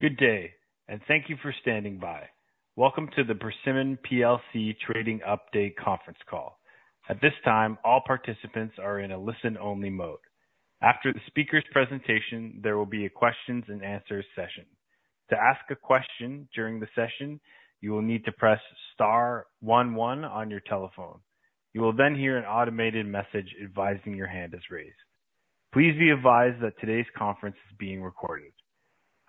Good day, and thank you for standing by. Welcome to the Persimmon PLC Trading Update conference call. At this time, all participants are in a listen-only mode. After the speaker's presentation, there will be a questions-and-answers session. To ask a question during the session, you will need to press star one-one on your telephone. You will then hear an automated message advising your hand is raised. Please be advised that today's conference is being recorded.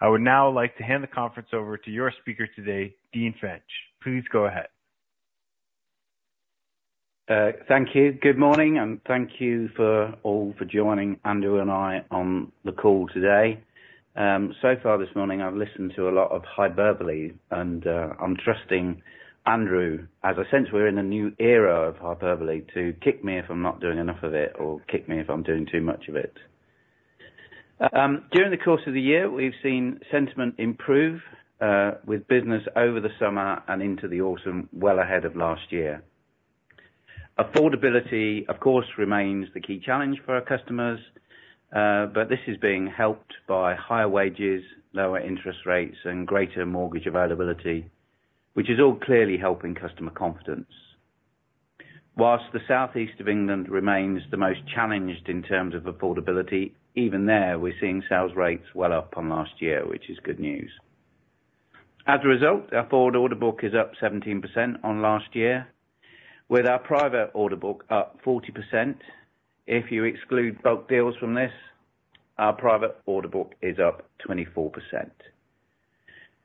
I would now like to hand the conference over to your speaker today, Dean Finch. Please go ahead. Thank you. Good morning, and thank you all for joining Andrew and I on the call today. So far this morning, I've listened to a lot of hyperbole, and I'm trusting Andrew, as I sensed we're in a new era of hyperbole, to kick me if I'm not doing enough of it or kick me if I'm doing too much of it. During the course of the year, we've seen sentiment improve with business over the summer and into the autumn, well ahead of last year. Affordability, of course, remains the key challenge for our customers, but this is being helped by higher wages, lower interest rates, and greater mortgage availability, which is all clearly helping customer confidence. Whilst the Southeast of England remains the most challenged in terms of affordability, even there, we're seeing sales rates well up on last year, which is good news. As a result, our forward order bulk is up 17% on last year, with our private order bulk up 40%. If you exclude bulk deals from this, our private order bulk is up 24%.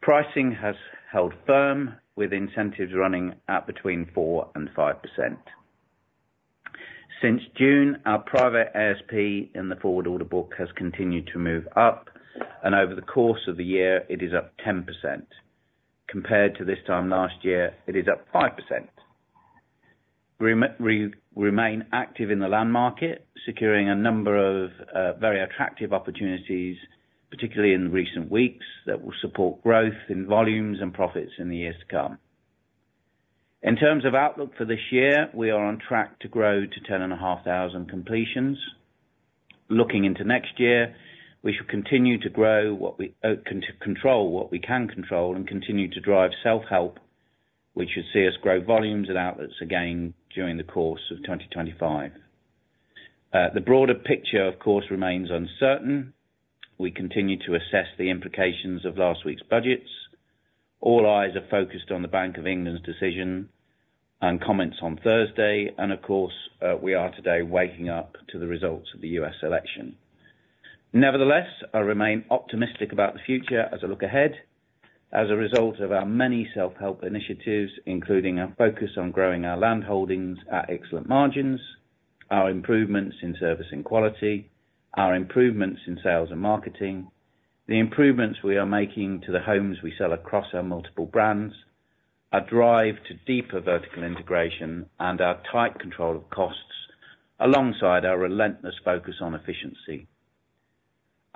Pricing has held firm with incentives running at between 4% and 5%. Since June, our private ASP in the forward order bulk has continued to move up, and over the course of the year, it is up 10%. Compared to this time last year, it is up 5%. We remain active in the land market, securing a number of very attractive opportunities, particularly in recent weeks, that will support growth in volumes and profits in the years to come. In terms of outlook for this year, we are on track to grow to 10,500 completions. Looking into next year, we should continue to control what we can control and continue to drive self-help, which should see us grow volumes and outlets again during the course of 2025. The broader picture, of course, remains uncertain. We continue to assess the implications of last week's budgets. All eyes are focused on the Bank of England's decision and comments on Thursday, and of course, we are today waking up to the results of the U.S. election. Nevertheless, I remain optimistic about the future as I look ahead. As a result of our many self-help initiatives, including our focus on growing our land holdings at excellent margins, our improvements in service and quality, our improvements in sales and marketing, the improvements we are making to the homes we sell across our multiple brands, our drive to deeper vertical integration, and our tight control of costs alongside our relentless focus on efficiency.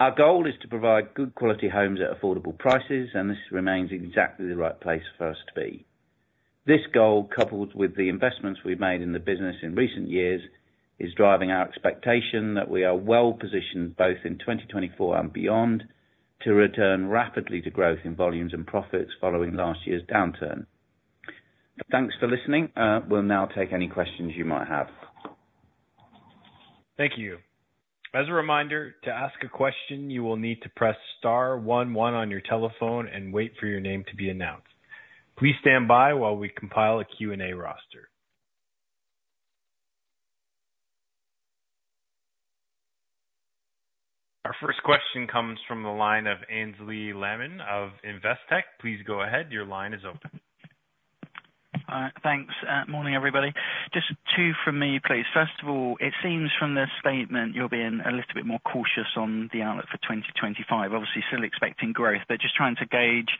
Our goal is to provide good quality homes at affordable prices, and this remains exactly the right place for us to be. This goal, coupled with the investments we've made in the business in recent years, is driving our expectation that we are well positioned both in 2024 and beyond to return rapidly to growth in volumes and profits following last year's downturn. Thanks for listening. We'll now take any questions you might have. Thank you. As a reminder, to ask a question, you will need to press star one-one on your telephone and wait for your name to be announced. Please stand by while we compile a Q&A roster. Our first question comes from the line of Aynsley Lammin of Investec. Please go ahead. Your line is open. Thanks. Morning, everybody. Just two from me, please. First of all, it seems from this statement you're being a little bit more cautious on the outlook for 2025. Obviously, still expecting growth, but just trying to gauge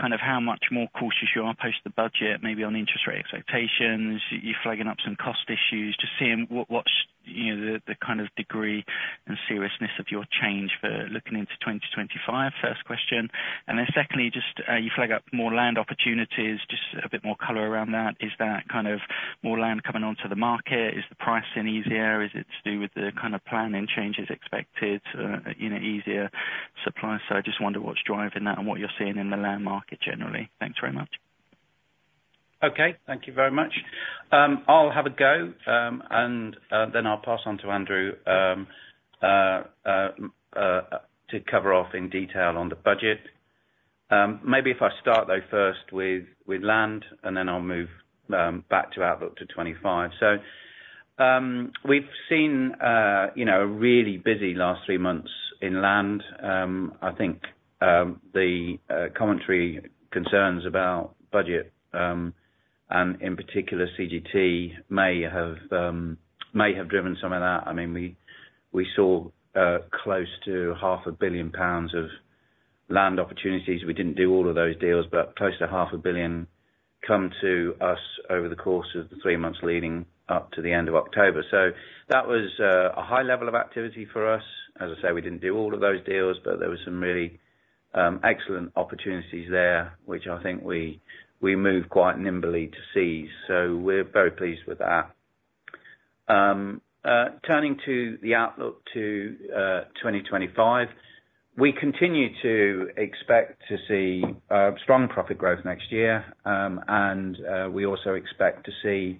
kind of how much more cautious you are post the budget, maybe on interest rate expectations. You're flagging up some cost issues, just seeing what's the kind of degree and seriousness of your change for looking into 2025. First question. And then secondly, just you flag up more land opportunities, just a bit more color around that. Is that kind of more land coming onto the market? Is the pricing easier? Is it to do with the kind of planning changes expected? Easier supply? So I just wonder what's driving that and what you're seeing in the land market generally. Thanks very much. Okay. Thank you very much. I'll have a go, and then I'll pass on to Andrew to cover off in detail on the budget. Maybe if I start, though, first with land, and then I'll move back to outlook to 2025. So we've seen a really busy last three months in land. I think the commentary concerns about budget, and in particular, CGT, may have driven some of that. I mean, we saw close to 500 million pounds of land opportunities. We didn't do all of those deals, but close to 500 million come to us over the course of the three months leading up to the end of October. So that was a high level of activity for us. As I say, we didn't do all of those deals, but there were some really excellent opportunities there, which I think we moved quite nimbly to seize. So we're very pleased with that. Turning to the outlook to 2025, we continue to expect to see strong profit growth next year, and we also expect to see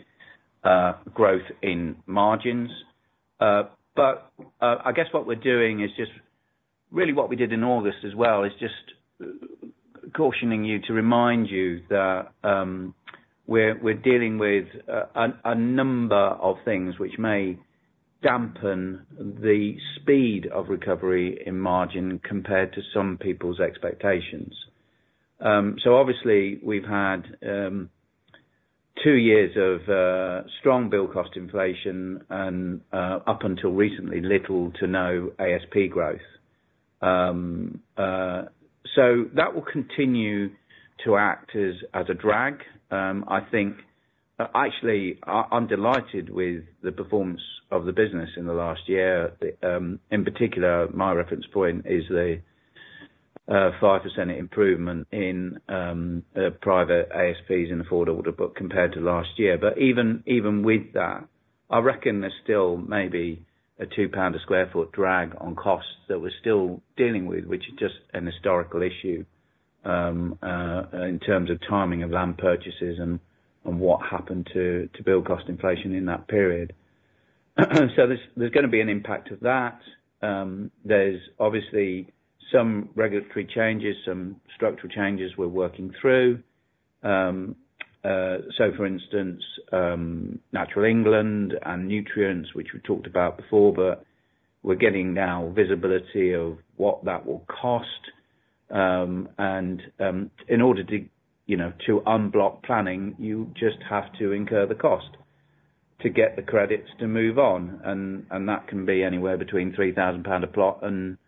growth in margins. But I guess what we're doing is just really what we did in August as well is just cautioning you to remind you that we're dealing with a number of things which may dampen the speed of recovery in margin compared to some people's expectations. So obviously, we've had two years of strong build cost inflation and up until recently, little to no ASP growth. So that will continue to act as a drag. I think, actually, I'm delighted with the performance of the business in the last year. In particular, my reference point is the 5% improvement in private ASPs in the forward order book compared to last year. But even with that, I reckon there's still maybe a £2 sq ft drag on costs that we're still dealing with, which is just a historical issue in terms of timing of land purchases and what happened to build cost inflation in that period. So there's going to be an impact of that. There's obviously some regulatory changes, some structural changes we're working through. So, for instance, Natural England and nutrients, which we talked about before, but we're now getting visibility of what that will cost. And in order to unblock planning, you just have to incur the cost to get the credits to move on. And that can be anywhere between £3,000 a plot and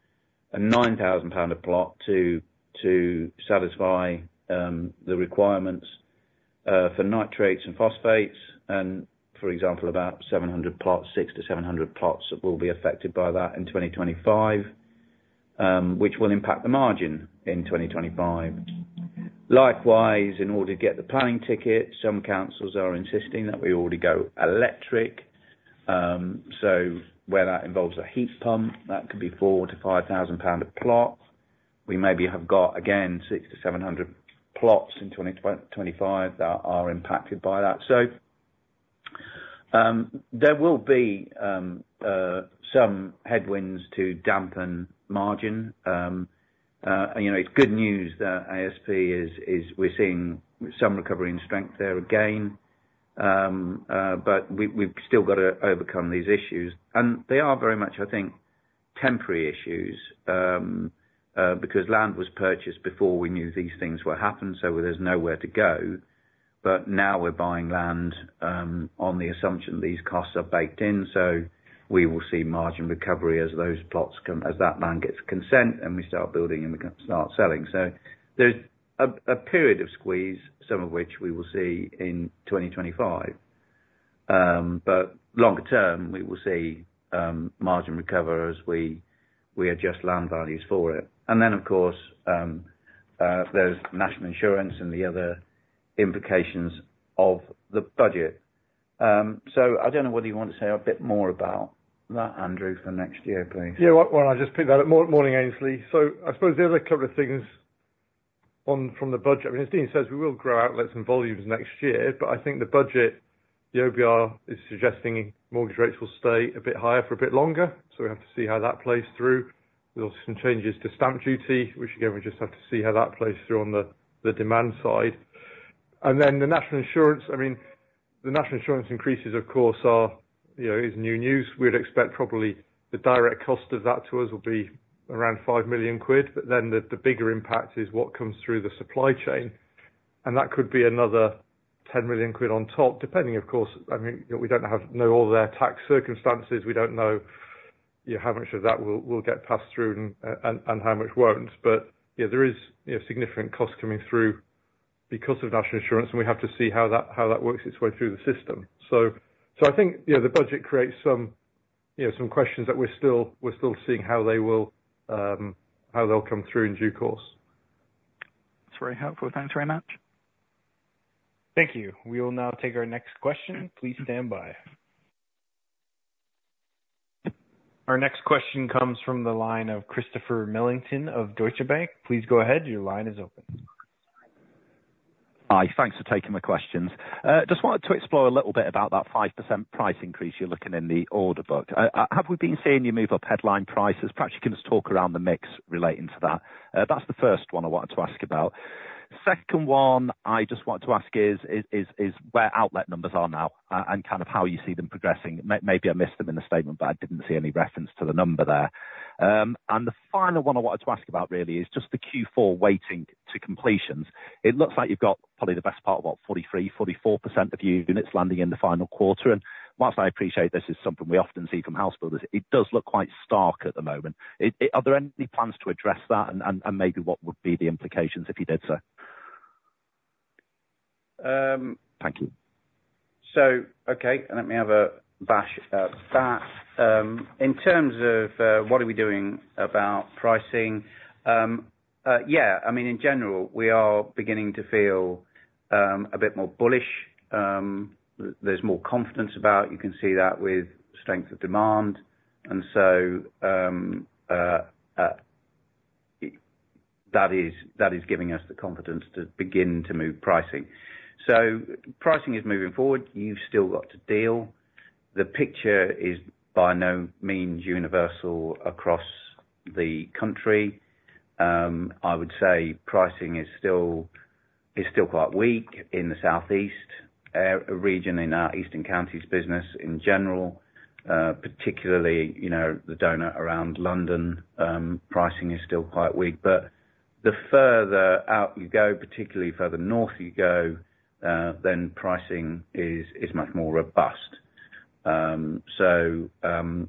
£9,000 a plot to satisfy the requirements for nitrates and phosphates. And, for example, about 600 plots will be affected by that in 2025, which will impact the margin in 2025. Likewise, in order to get the planning ticket, some councils are insisting that we already go electric. So where that involves a heat pump, that could be 4,000-5,000 pound a plot. We maybe have got, again, 600 to 700 plots in 2025 that are impacted by that. So there will be some headwinds to dampen margin. It's good news that ASP, we're seeing some recovery and strength there again, but we've still got to overcome these issues. And they are very much, I think, temporary issues because land was purchased before we knew these things were happening, so there's nowhere to go. But now we're buying land on the assumption that these costs are baked in, so we will see margin recovery as that land gets consent, and we start building and we start selling. So there's a period of squeeze, some of which we will see in 2025. But longer term, we will see margin recover as we adjust land values for it. And then, of course, there's National Insurance and the other implications of the budget. So I don't know whether you want to say a bit more about that, Andrew, for next year, please. Yeah. Well, I'll just pick that up. Morning, Aynsley. So I suppose there are a couple of things from the budget. I mean, as Dean says, we will grow outlets and volumes next year, but I think the budget, the OBR is suggesting mortgage rates will stay a bit higher for a bit longer. So we have to see how that plays through. There's also some changes to Stamp Duty, which again, we just have to see how that plays through on the demand side. And then the National Insurance, I mean, the National Insurance increases, of course, is new news. We'd expect probably the direct cost of that to us will be around 5 million quid, but then the bigger impact is what comes through the supply chain. And that could be another 10 million quid on top, depending, of course. I mean, we don't know all their tax circumstances. We don't know how much of that will get passed through and how much won't. But there is significant cost coming through because of National Insurance, and we have to see how that works its way through the system. So I think the budget creates some questions that we're still seeing how they'll come through in due course. That's very helpful. Thanks very much. Thank you. We will now take our next question. Please stand by. Our next question comes from the line of Christopher Millington of Deutsche Bank. Please go ahead. Your line is open. Hi. Thanks for taking my questions. Just wanted to explore a little bit about that 5% price increase you're looking in the order book. Have we been seeing you move up headline prices? Perhaps you can just talk around the mix relating to that. That's the first one I wanted to ask about. Second one I just wanted to ask is where outlet numbers are now and kind of how you see them progressing. Maybe I missed them in the statement, but I didn't see any reference to the number there, and the final one I wanted to ask about really is just the Q4 weighting to completions. It looks like you've got probably the best part of what, 43%, 44% of units landing in the final quarter. While I appreciate this is something we often see from house builders, it does look quite stark at the moment. Are there any plans to address that and maybe what would be the implications if you did so? Thank you. So, okay. Let me have a bash at that. In terms of what are we doing about pricing? Yeah. I mean, in general, we are beginning to feel a bit more bullish. There's more confidence about it. You can see that with strength of demand. And so that is giving us the confidence to begin to move pricing. So pricing is moving forward. You've still got to deal. The picture is by no means universal across the country. I would say pricing is still quite weak in the Southeast region in our Eastern counties business in general, particularly the donut around London. Pricing is still quite weak. But the further out you go, particularly further north you go, then pricing is much more robust. So that's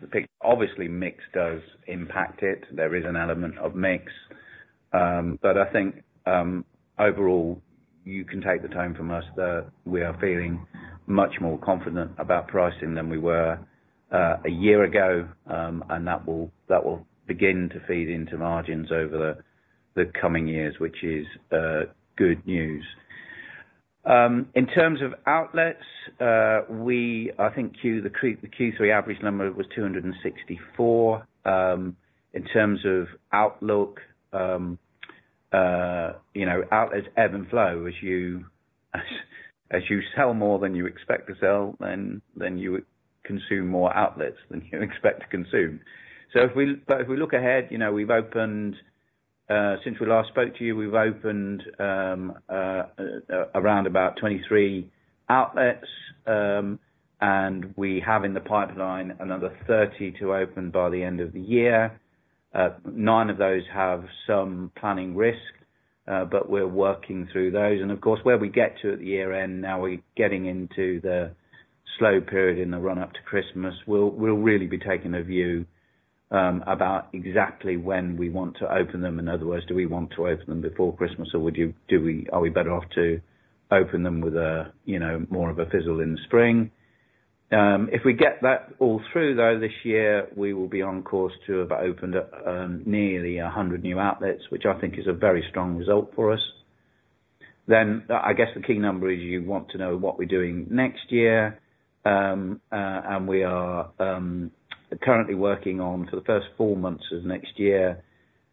the picture. Obviously, mix does impact it. There is an element of mix. But I think overall, you can take the time from us that we are feeling much more confident about pricing than we were a year ago, and that will begin to feed into margins over the coming years, which is good news. In terms of outlets, I think the Q3 average number was 264. In terms of outlook, outlets ebb and flow. As you sell more than you expect to sell, then you consume more outlets than you expect to consume. But if we look ahead, since we last spoke to you, we've opened around about 23 outlets, and we have in the pipeline another 30 to open by the end of the year. Nine of those have some planning risk, but we're working through those. And of course, where we get to at the year-end, now we're getting into the slow period in the run-up to Christmas. We'll really be taking a view about exactly when we want to open them. In other words, do we want to open them before Christmas, or are we better off to open them with more of a sizzle in the spring? If we get that all through, though, this year, we will be on course to have opened nearly 100 new outlets, which I think is a very strong result for us. Then I guess the key number is you want to know what we're doing next year. And we are currently working on, for the first four months of next year,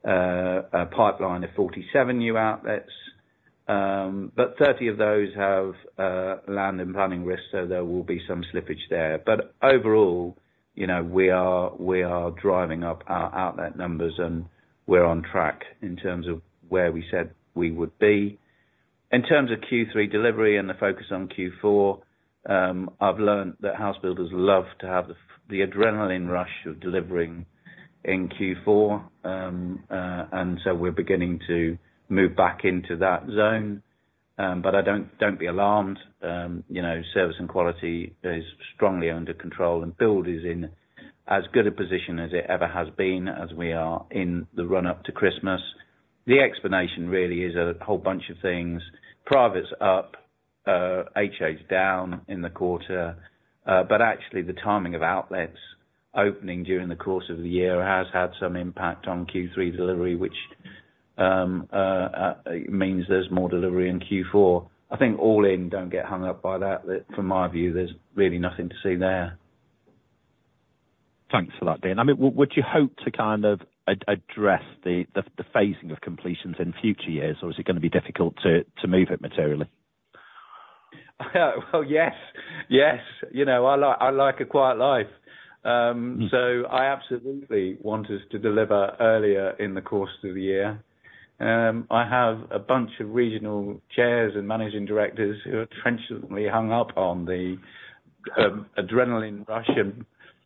a pipeline of 47 new outlets. But 30 of those have land and planning risk, so there will be some slippage there. But overall, we are driving up our outlet numbers, and we're on track in terms of where we said we would be. In terms of Q3 delivery and the focus on Q4, I've learned that house builders love to have the adrenaline rush of delivering in Q4, and so we're beginning to move back into that zone, but don't be alarmed. Service and quality is strongly under control, and build is in as good a position as it ever has been as we are in the run-up to Christmas. The explanation really is a whole bunch of things. Private's up, HH down in the quarter, but actually, the timing of outlets opening during the course of the year has had some impact on Q3 delivery, which means there's more delivery in Q4. I think all in, don't get hung up by that. From my view, there's really nothing to see there. Thanks for that, Dean. I mean, would you hope to kind of address the phasing of completions in future years, or is it going to be difficult to move it materially? Well, yes. Yes. I like a quiet life. So I absolutely want us to deliver earlier in the course of the year. I have a bunch of regional chairs and managing directors who are trenchantly hung up on the adrenaline rush as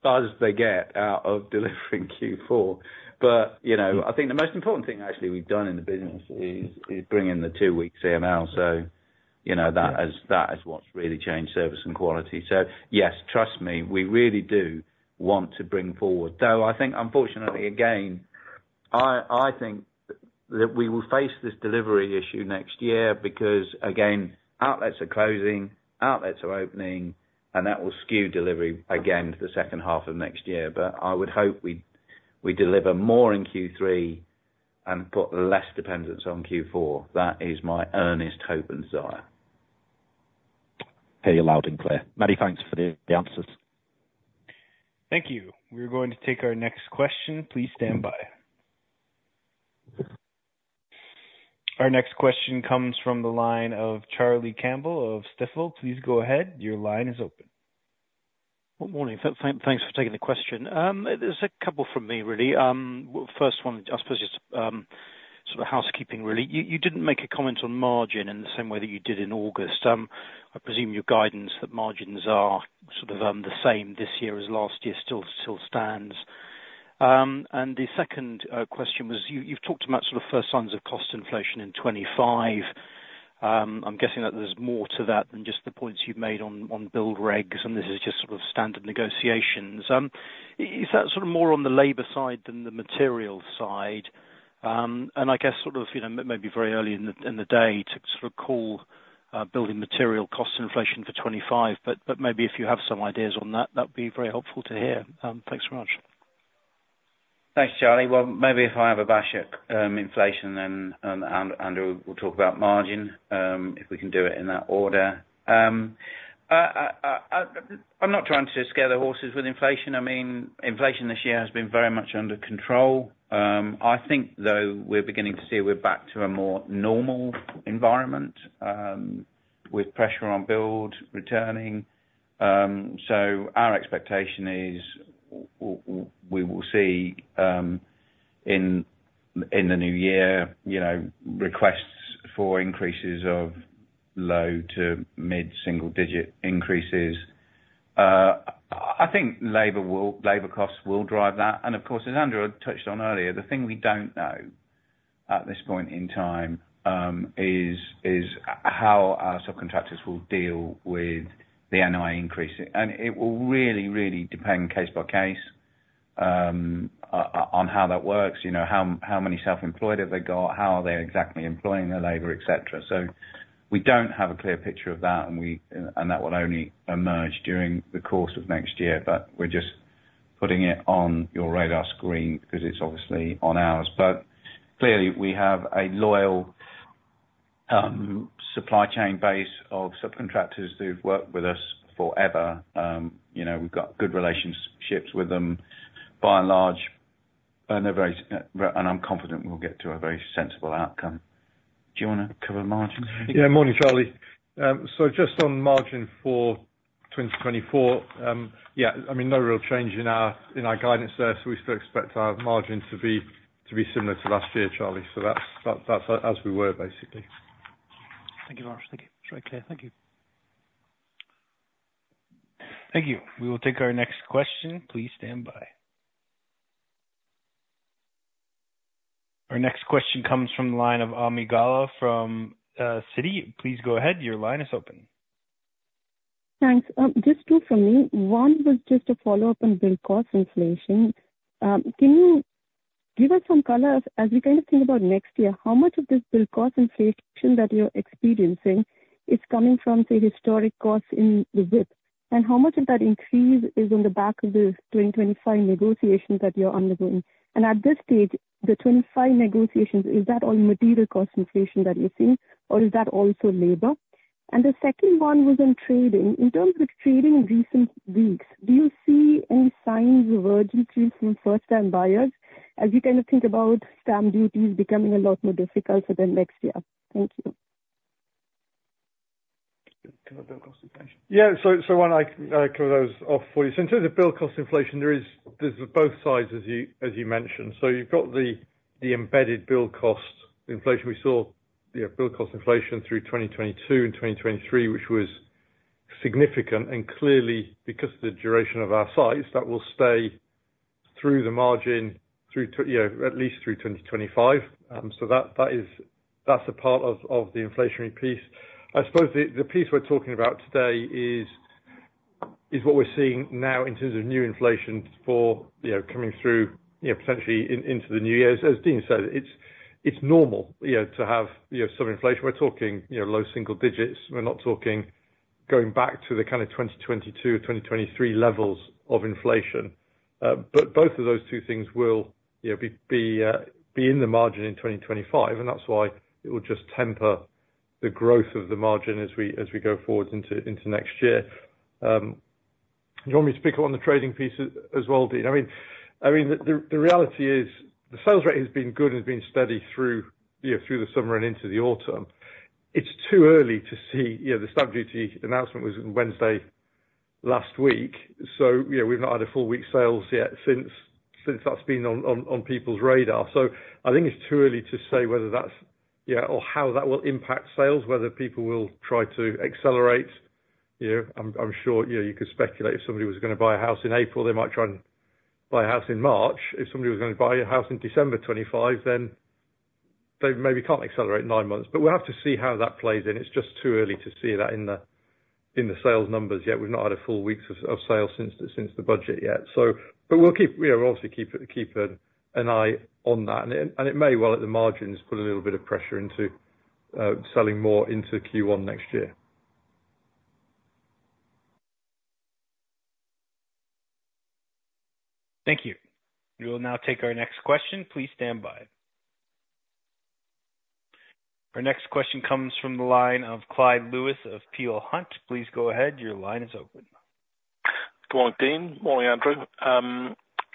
far as they get out of delivering Q4. But I think the most important thing actually we've done in the business is bring in the two-week CML. So that is what's really changed service and quality. So yes, trust me, we really do want to bring forward. Though I think, unfortunately, again, I think that we will face this delivery issue next year because, again, outlets are closing, outlets are opening, and that will skew delivery again to the second half of next year. But I would hope we deliver more in Q3 and put less dependence on Q4. That is my earnest hope and desire. Hear you loud and clear. Many, thanks for the answers. Thank you. We're going to take our next question. Please stand by. Our next question comes from the line of Charlie Campbell of Stifel. Please go ahead. Your line is open. Morning. Thanks for taking the question. There's a couple from me, really. First one, I suppose, just sort of housekeeping, really. You didn't make a comment on margin in the same way that you did in August. I presume your guidance that margins are sort of the same this year as last year still stands. And the second question was you've talked about sort of first signs of cost inflation in 2025. I'm guessing that there's more to that than just the points you've made on build regs, and this is just sort of standard negotiations. Is that sort of more on the labor side than the materials side? And I guess sort of maybe very early in the day to sort of call building material cost inflation for 2025, but maybe if you have some ideas on that, that would be very helpful to hear. Thanks very much. Thanks, Charlie. Well, maybe if I have a bash at inflation, and we'll talk about margin if we can do it in that order. I'm not trying to scare the horses with inflation. I mean, inflation this year has been very much under control. I think, though, we're beginning to see we're back to a more normal environment with pressure on build returning. So our expectation is we will see in the new year requests for increases of low- to mid-single-digit increases. I think labor costs will drive that. And of course, as Andrew had touched on earlier, the thing we don't know at this point in time is how our subcontractors will deal with the NI increase. And it will really, really depend case by case on how that works. How many self-employed have they got? How are they exactly employing their labor, etc.? So we don't have a clear picture of that, and that will only emerge during the course of next year. But we're just putting it on your radar screen because it's obviously on ours. But clearly, we have a loyal supply chain base of subcontractors who've worked with us forever. We've got good relationships with them by and large. And I'm confident we'll get to a very sensible outcome. Do you want to cover margins? Yeah. Morning, Charlie. So just on margin for 2024, yeah, I mean, no real change in our guidance there. So we still expect our margin to be similar to last year, Charlie. So that's as we were, basically. Thank you very much. Thank you. It's very clear. Thank you. Thank you. We will take our next question. Please stand by. Our next question comes from the line of Ami Galla from Citi. Please go ahead. Your line is open. Thanks. Just two from me. One was just a follow-up on build cost inflation. Can you give us some color as we kind of think about next year, how much of this build cost inflation that you're experiencing is coming from, say, historic costs in the WIP? And how much of that increase is on the back of the 2025 negotiations that you're undergoing? And at this stage, the '25 negotiations, is that all material cost inflation that you're seeing, or is that also labor? And the second one was on trading. In terms of trading in recent weeks, do you see any signs of urgency from first-time buyers as you kind of think about stamp duties becoming a lot more difficult for them next year? Thank you. Yeah. So when I cover those off for you, so in terms of build cost inflation, there's both sides, as you mentioned. So you've got the embedded build cost inflation. We saw build cost inflation through 2022 and 2023, which was significant. And clearly, because of the duration of our sites, that will stay through the margin at least through 2025. So that's a part of the inflationary piece. I suppose the piece we're talking about today is what we're seeing now in terms of new inflation coming through potentially into the new year. As Dean said, it's normal to have some inflation. We're talking low single digits. We're not talking going back to the kind of 2022 or 2023 levels of inflation. But both of those two things will be in the margin in 2025. And that's why it will just temper the growth of the margin as we go forward into next year. Do you want me to pick up on the trading piece as well, Dean? I mean, the reality is the sales rate has been good and has been steady through the summer and into the autumn. It's too early to see the Stamp Duty announcement was on Wednesday last week. So we've not had a full week's sales yet since that's been on people's radar. So I think it's too early to say whether that's or how that will impact sales, whether people will try to accelerate. I'm sure you could speculate if somebody was going to buy a house in April, they might try and buy a house in March. If somebody was going to buy a house in December 2025, then they maybe can't accelerate nine months. But we'll have to see how that plays in. It's just too early to see that in the sales numbers yet. We've not had a full week's of sales since the budget yet. But we'll obviously keep an eye on that. And it may, while at the margins, put a little bit of pressure into selling more into Q1 next year. Thank you. We will now take our next question. Please stand by. Our next question comes from the line of Clyde Lewis of Peel Hunt. Please go ahead. Your line is open. Good morning, Dean. Morning, Andrew. A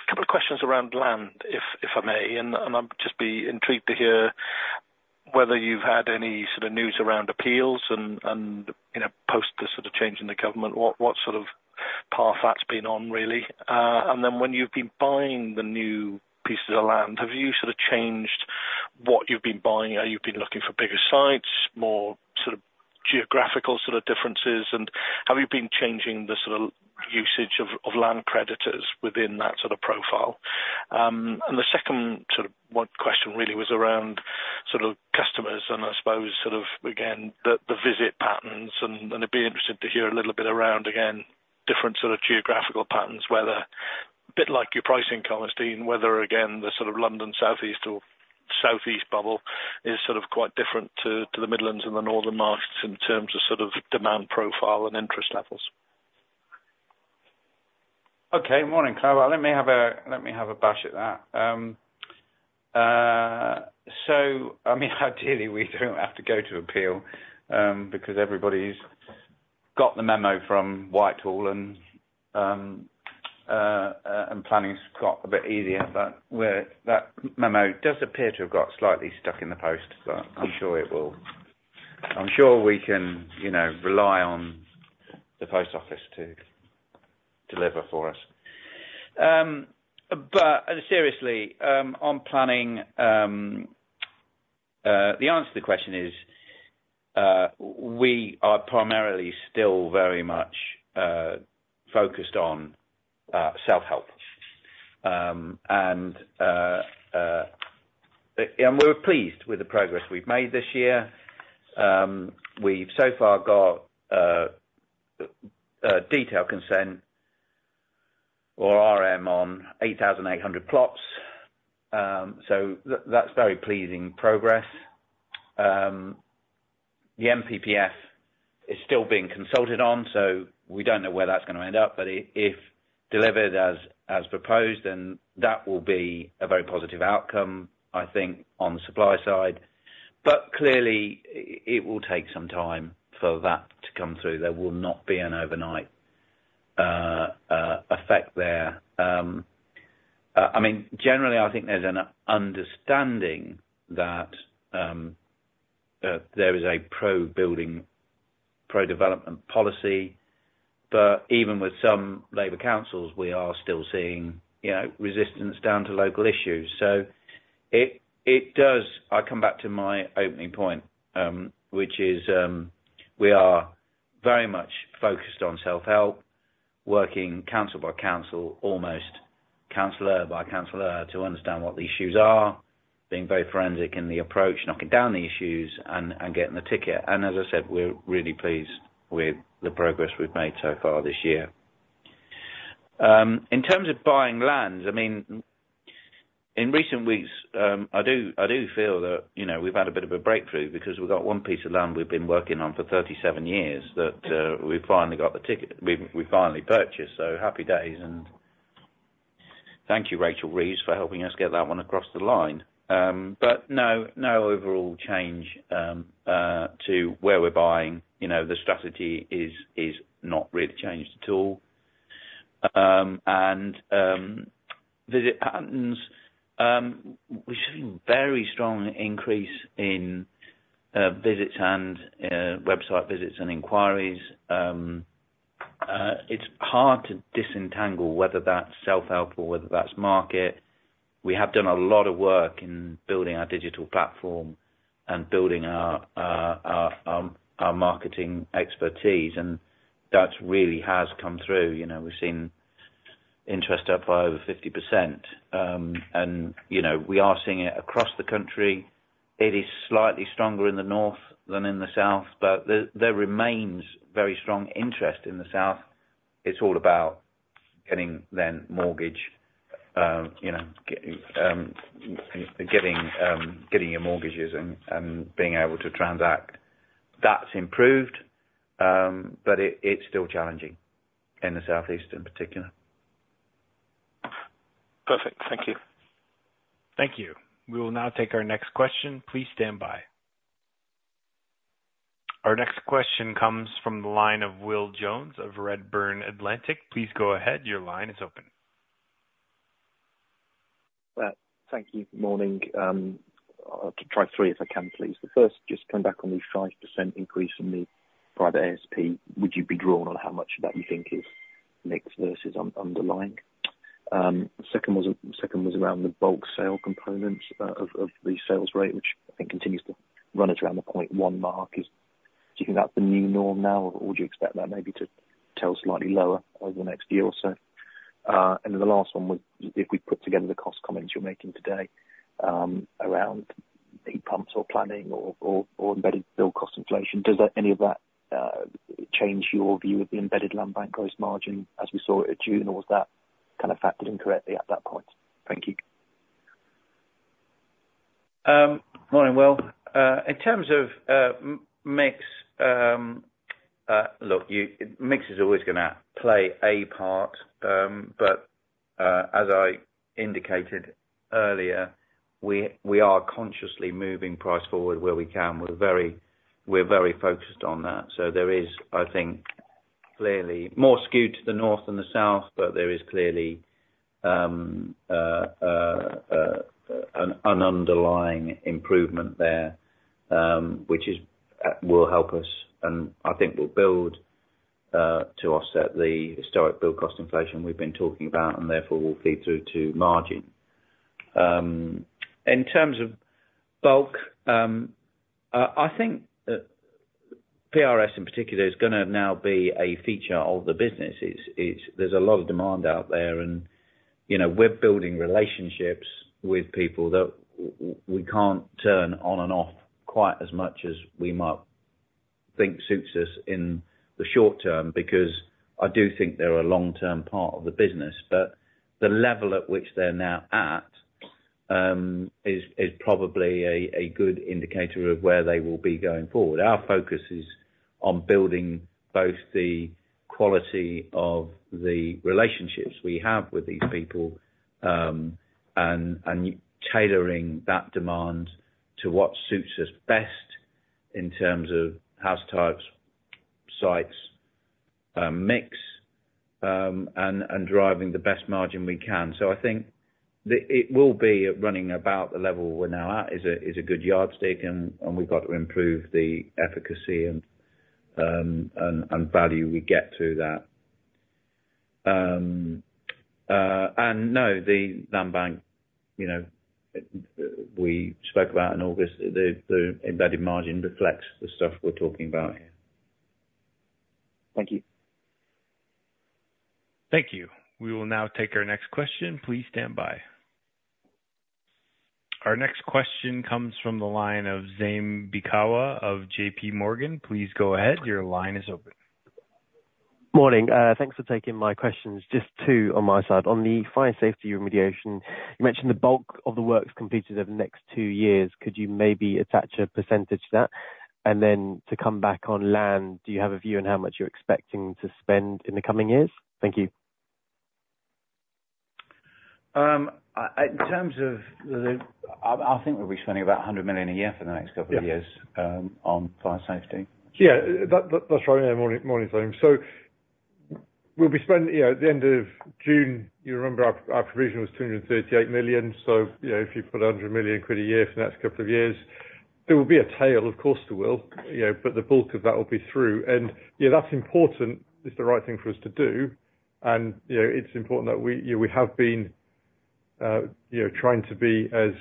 couple of questions around land, if I may. And I'd just be intrigued to hear whether you've had any sort of news around appeals and post the sort of change in the government, what sort of path that's been on, really. And then when you've been buying the new pieces of land, have you sort of changed what you've been buying? Are you looking for bigger sites, more sort of geographical sort of differences? And have you been changing the sort of usage of land creditors within that sort of profile? And the second sort of question really was around sort of customers. And I suppose sort of, again, the visit patterns. It'd be interesting to hear a little bit around, again, different sort of geographical patterns, whether a bit like your pricing comments, Dean, whether, again, the sort of London Southeast or Southeast bubble is sort of quite different to the Midlands and the Northern markets in terms of sort of demand profile and interest levels. Okay. Morning, Clyde. Let me have a bash at that, so I mean, ideally, we don't have to go to appeal because everybody's got the memo from Whitehall, and planning's got a bit easier. But that memo does appear to have got slightly stuck in the post. But I'm sure it will. I'm sure we can rely on the Post Office to deliver for us. But seriously, on planning, the answer to the question is we are primarily still very much focused on self-help, and we're pleased with the progress we've made this year. We've so far got detailed consent or RM on 8,800 plots, so that's very pleasing progress. The NPPF is still being consulted on, so we don't know where that's going to end up. But if delivered as proposed, then that will be a very positive outcome, I think, on the supply side. But clearly, it will take some time for that to come through. There will not be an overnight effect there. I mean, generally, I think there's an understanding that there is a pro-development policy. But even with some Labour councils, we are still seeing resistance down to local issues. So it does come back to my opening point, which is we are very much focused on self-help, working council by council, almost councilor by councilor to understand what the issues are, being very forensic in the approach, knocking down the issues, and getting the ticket. And as I said, we're really pleased with the progress we've made so far this year. In terms of buying land, I mean, in recent weeks, I do feel that we've had a bit of a breakthrough because we've got one piece of land we've been working on for 37 years that we've finally got the ticket. We finally purchased. So happy days. And thank you, Rachel Reeves, for helping us get that one across the line. But no overall change to where we're buying. The strategy is not really changed at all. And visit patterns, we've seen very strong increase in visits and website visits and inquiries. It's hard to disentangle whether that's self-help or whether that's market. We have done a lot of work in building our digital platform and building our marketing expertise. And that really has come through. We've seen interest up by over 50%. And we are seeing it across the country. It is slightly stronger in the north than in the south, but there remains very strong interest in the south. It's all about getting the mortgage, getting your mortgages and being able to transact. That's improved, but it's still challenging in the southeast in particular. Perfect. Thank you. Thank you. We will now take our next question. Please stand by. Our next question comes from the line of Will Jones of Redburn Atlantic. Please go ahead. Your line is open. Thank you. Morning. I'll try three if I can, please. The first, just coming back on the 5% increase in the private ASP, would you be drawn on how much of that you think is mix versus underlying? The second was around the bulk sale components of the sales rate, which I think continues to run at around the 0.1 mark. Do you think that's the new norm now, or would you expect that maybe to tail slightly lower over the next year or so? And then the last one was if we put together the cost comments you're making today around heat pumps or planning or embedded build cost inflation, does any of that change your view of the embedded land bank gross margin as we saw it at June, or was that kind of factored in correctly at that point? Thank you. Morning, Will. In terms of mix, look, mix is always going to play a part. But as I indicated earlier, we are consciously moving price forward where we can. We're very focused on that. So there is, I think, clearly more skewed to the north than the south, but there is clearly an underlying improvement there, which will help us. And I think we'll build to offset the historic build cost inflation we've been talking about, and therefore we'll feed through to margin. In terms of book, I think PRS in particular is going to now be a feature of the business. There's a lot of demand out there. And we're building relationships with people that we can't turn on and off quite as much as we might think suits us in the short term because I do think they're a long-term part of the business. But the level at which they're now at is probably a good indicator of where they will be going forward. Our focus is on building both the quality of the relationships we have with these people and tailoring that demand to what suits us best in terms of house types, sites, mix, and driving the best margin we can. So I think it will be running about the level we're now at is a good yardstick, and we've got to improve the efficacy and value we get through that. And no, the land bank we spoke about in August, the embedded margin reflects the stuff we're talking about here. Thank you. Thank you. We will now take our next question. Please stand by. Our next question comes from the line of Zane Bikawa of J.P. Morgan. Please go ahead. Your line is open. Morning. Thanks for taking my questions. Just two on my side. On the fire safety remediation, you mentioned the bulk of the work's completed over the next two years. Could you maybe attach a percentage to that? And then to come back on land, do you have a view on how much you're expecting to spend in the coming years? Thank you. In terms of the, I think we'll be spending about 100 million a year for the next couple of years on fire safety. Yeah. That's right. Morning,. So we'll be spending at the end of June. You remember our provision was 238 million. So if you put 100 million quid a year for the next couple of years, there will be a tail, of course, there will. But the bulk of that will be through. And that's important. It's the right thing for us to do. And it's important that we have been trying to be as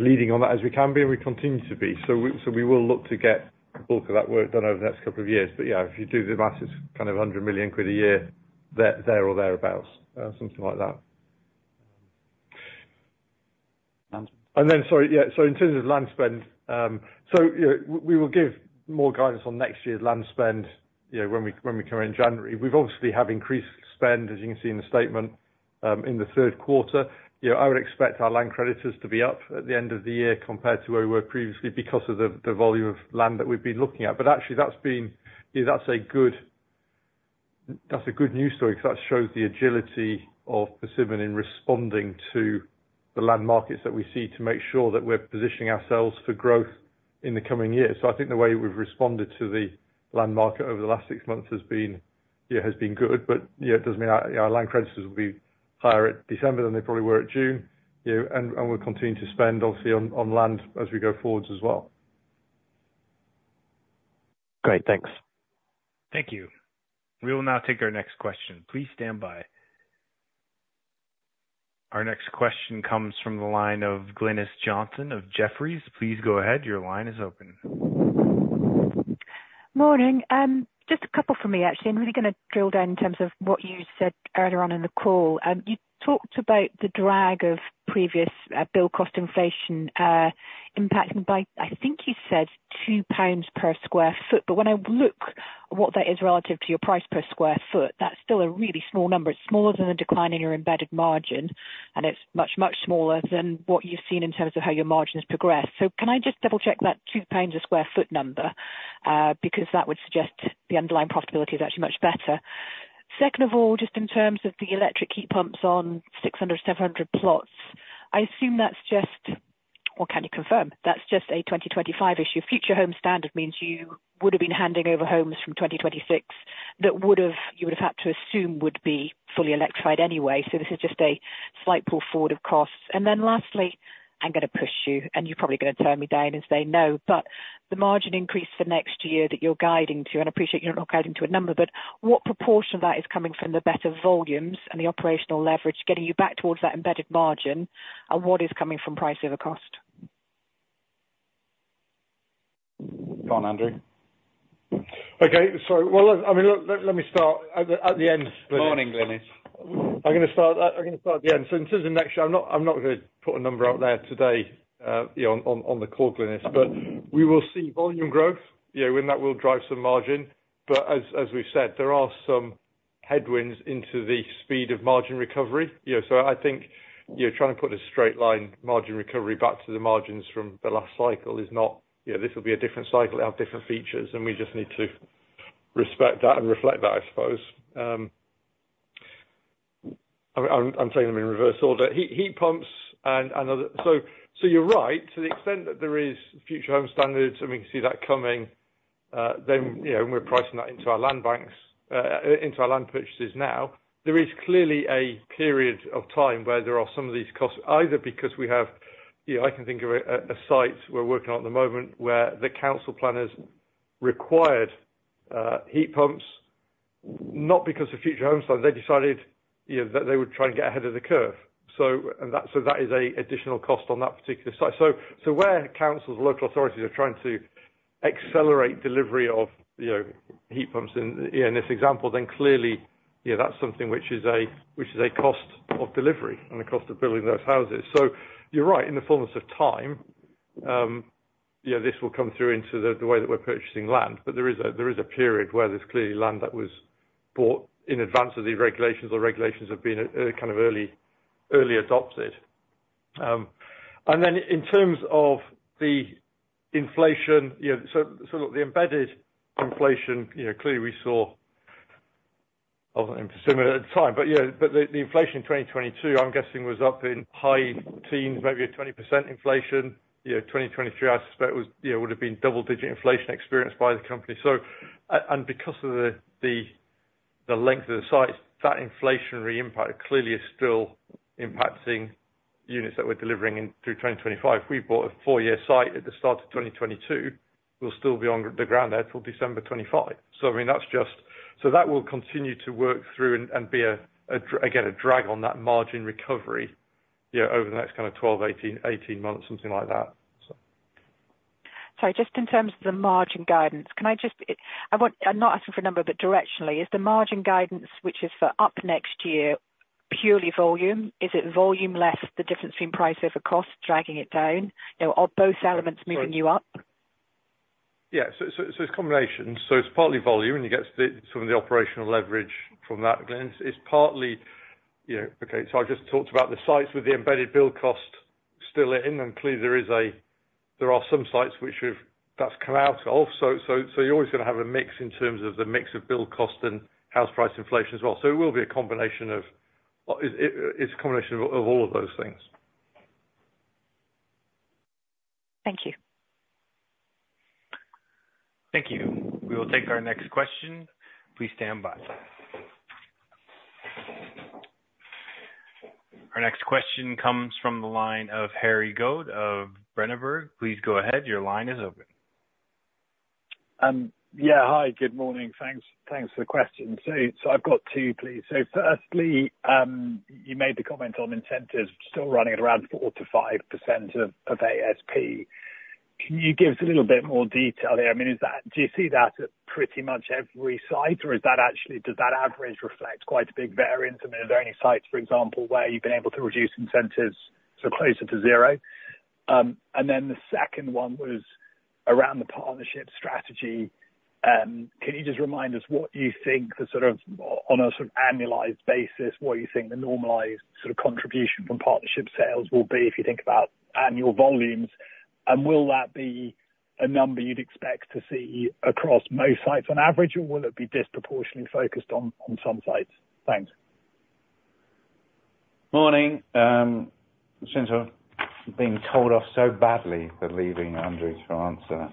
leading on that as we can be and we continue to be. So we will look to get the bulk of that work done over the next couple of years. But yeah, if you do the math, it's kind of 100 million quid a year there or thereabouts, something like that. And then, sorry, yeah. So in terms of land spend, so we will give more guidance on next year's land spend when we come in January. We've obviously had increased spend, as you can see in the statement, in the third quarter. I would expect our land creditors to be up at the end of the year compared to where we were previously because of the volume of land that we've been looking at. But actually, that's a good news story because that shows the agility of Persimmon in responding to the land markets that we see to make sure that we're positioning ourselves for growth in the coming years. So I think the way we've responded to the land market over the last six months has been good. But it does mean our land creditors will be higher at December than they probably were at June. And we'll continue to spend, obviously, on land as we go forward as well. Great. Thanks. Thank you. We will now take our next question. Please stand by. Our next question comes from the line of Glynis Johnson of Jefferies. Please go ahead. Your line is open. Morning. Just a couple for me, actually. I'm really going to drill down in terms of what you said earlier on in the call. You talked about the drag of previous bill cost inflation impacting by, I think you said, £2 per sq ft. But when I look at what that is relative to your price per sq ft, that's still a really small number. It's smaller than the decline in your embedded margin. And it's much, much smaller than what you've seen in terms of how your margin has progressed. So can I just double-check that £2 per sq ft number? Because that would suggest the underlying profitability is actually much better. Second of all, just in terms of the electric heat pumps on 600, 700 plots, I assume that's just, or can you confirm? That's just a 2025 issue. Future Homes Standard means you would have been handing over homes from 2026 that you would have had to assume would be fully electrified anyway, so this is just a slight pull forward of costs, and then lastly, I'm going to push you, and you're probably going to turn me down and say no, but the margin increase for next year that you're guiding to, and I appreciate you're not guiding to a number, but what proportion of that is coming from the better volumes and the operational leverage getting you back towards that embedded margin, and what is coming from price over cost? Go on, Andrew. Okay. Sorry. Well, I mean, let me start at the end. Morning, Glynis. I'm going to start at the end. In terms of next year, I'm not going to put a number out there today on the call, Glynis. We will see volume growth, and that will drive some margin. As we've said, there are some headwinds into the speed of margin recovery. I think trying to put a straight line margin recovery back to the margins from the last cycle is not. This will be a different cycle. They have different features, and we just need to respect that and reflect that, I suppose. I'm saying them in reverse order. Heat pumps and others, so you're right. To the extent that there is Future Homes Standard, and we can see that coming, then we're pricing that into our land purchases now. There is clearly a period of time where there are some of these costs, either because we have, I can think of a site we're working on at the moment where the council planners required heat pumps, not because of Future Homes Standard. They decided that they would try and get ahead of the curve. So that is an additional cost on that particular site. So where councils, local authorities are trying to accelerate delivery of heat pumps in this example, then clearly that's something which is a cost of delivery and a cost of building those houses. So you're right. In the fullness of time, this will come through into the way that we're purchasing land. But there is a period where there's clearly land that was bought in advance of these regulations or regulations have been kind of early adopted. And then in terms of the inflation, so look, the embedded inflation clearly we saw in Persimmon at the time. But the inflation in 2022, I'm guessing, was up in high teens, maybe a 20% inflation. 2023, I suspect, would have been double-digit inflation experienced by the company. And because of the length of the sites, that inflationary impact clearly is still impacting units that we're delivering through 2025. If we bought a four-year site at the start of 2022, we'll still be on the ground there till December 2025. So I mean, that's just so that will continue to work through and be, again, a drag on that margin recovery over the next kind of 12-18 months, something like that. Sorry. Just in terms of the margin guidance, can I just, I'm not asking for a number, but directionally, is the margin guidance, which is for up next year, purely volume? Is it volume less, the difference between price over cost, dragging it down, or both elements moving you up? Yeah. So it's a combination. So it's partly volume, and you get some of the operational leverage from that. It's partly. Okay. So I just talked about the sites with the embedded build cost still in. And clearly, there are some sites which have had that come out of. So you're always going to have a mix in terms of the mix of build cost and house price inflation as well. So it will be a combination of all of those things. Thank you. Thank you. We will take our next question. Please stand by. Our next question comes from the line of Harry Goad of Berenberg. Please go ahead. Your line is open. Yeah. Hi. Good morning. Thanks for the question. So I've got two, please. So firstly, you made the comment on incentives, still running at around 4%-5% of ASP. Can you give us a little bit more detail here? I mean, do you see that at pretty much every site, or does that average reflect quite a big variance? I mean, are there any sites, for example, where you've been able to reduce incentives to closer to zero? And then the second one was around the partnership strategy. Can you just remind us what you think on a sort of annualized basis, what you think the normalized sort of contribution from partnership sales will be if you think about annual volumes? And will that be a number you'd expect to see across most sites on average, or will it be disproportionately focused on some sites? Thanks. Morning. Since I've been told off so badly for leaving Andrew to answer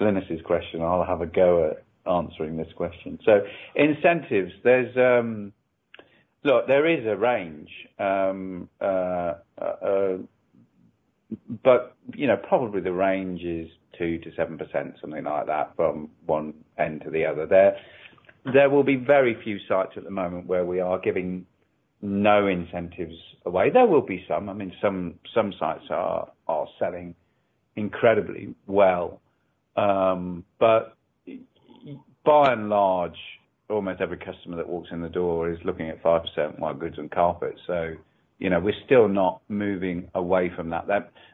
Glynis's question, I'll have a go at answering this question. So incentives, look, there is a range. But probably the range is 2-7%, something like that, from one end to the other there. There will be very few sites at the moment where we are giving no incentives away. There will be some. I mean, some sites are selling incredibly well. But by and large, almost every customer that walks in the door is looking at 5%, white goods and carpets. So we're still not moving away from that.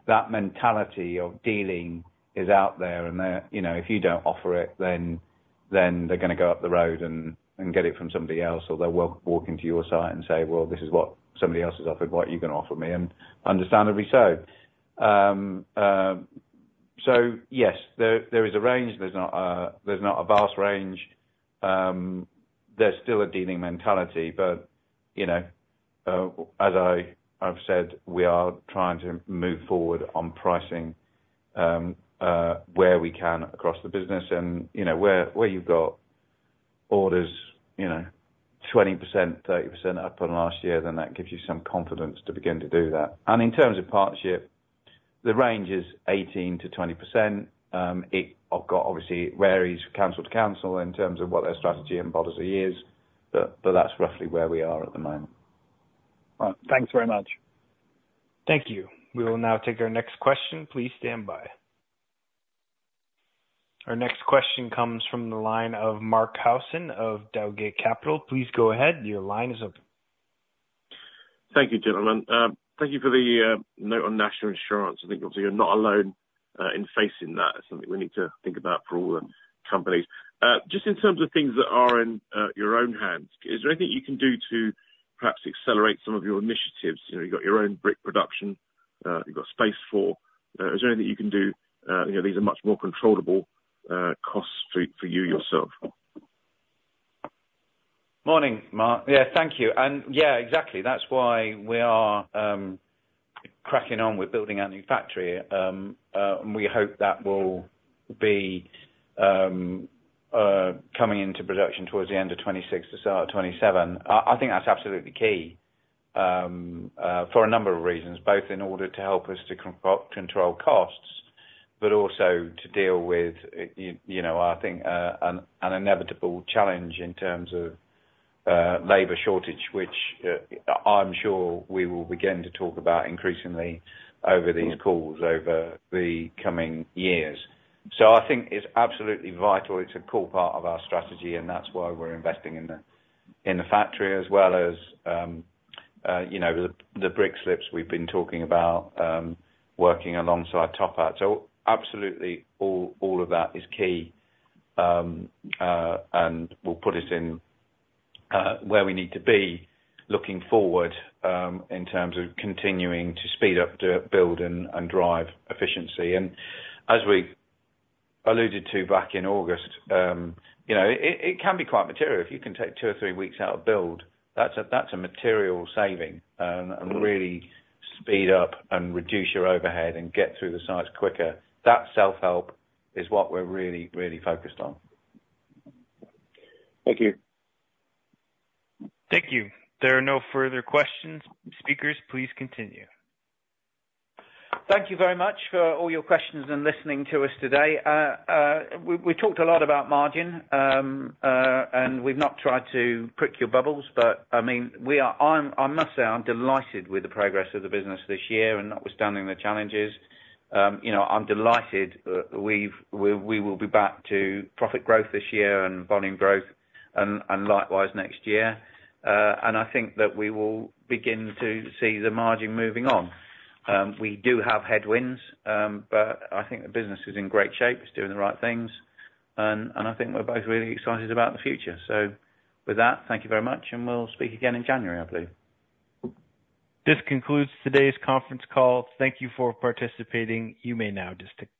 That mentality of dealing is out there. And if you don't offer it, then they're going to go up the road and get it from somebody else. Or they'll walk into your site and say, "Well, this is what somebody else has offered. What are you going to offer me?" And understandably so. So yes, there is a range. There's not a vast range. There's still a dealing mentality. But as I've said, we are trying to move forward on pricing where we can across the business. And where you've got orders 20%, 30% up on last year, then that gives you some confidence to begin to do that. And in terms of partnership, the range is 18%-20%. Obviously, it varies from council to council in terms of what their strategy and policy is. But that's roughly where we are at the moment. Thanks very much. Thank you. We will now take our next question. Please stand by. Our next question comes from the line of Mark Howson of Dowgate Capital. Please go ahead. Your line is open. Thank you, gentlemen. Thank you for the note on National Insurance. I think, obviously, you're not alone in facing that. It's something we need to think about for all the companies. Just in terms of things that are in your own hands, is there anything you can do to perhaps accelerate some of your initiatives? You've got your own brick production. You've got Space4. Is there anything you can do? These are much more controllable costs for you yourself. Morning, Mark. Yeah. Thank you. And yeah, exactly. That's why we are cracking on with building our new factory. And we hope that will be coming into production towards the end of 2026 to start 2027. I think that's absolutely key for a number of reasons, both in order to help us to control costs, but also to deal with, I think, an inevitable challenge in terms of labor shortage, which I'm sure we will begin to talk about increasingly over these calls over the coming years. So I think it's absolutely vital. It's a core part of our strategy. And that's why we're investing in the factory, as well as the brick slips we've been talking about, working alongside TopHat. So absolutely all of that is key. And we'll put us in where we need to be looking forward in terms of continuing to speed up, build, and drive efficiency. And as we alluded to back in August, it can be quite material. If you can take two or three weeks out of build, that's a material saving and really speed up and reduce your overhead and get through the sites quicker. That self-help is what we're really, really focused on. Thank you. Thank you. There are no further questions. Speakers, please continue. Thank you very much for all your questions and listening to us today. We talked a lot about margin. And we've not tried to prick your bubbles. But I mean, I must say I'm delighted with the progress of the business this year and notwithstanding the challenges. I'm delighted we will be back to profit growth this year and volume growth and likewise next year. And I think that we will begin to see the margin moving on. We do have headwinds. But I think the business is in great shape. It's doing the right things. And I think we're both really excited about the future. So with that, thank you very much. And we'll speak again in January, I believe. This concludes today's conference call. Thank you for participating. You may now just.